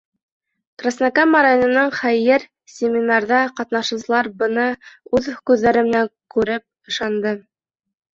Краснокама районының Хәйер, семинарҙа ҡатнашыусылар быны үҙ күҙҙәре менән күреп ышанды.